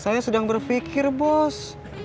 saya sedang berpikir bos